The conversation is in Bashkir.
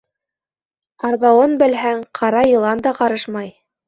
Арбауын белһәң, ҡара йылан да ҡарышмай.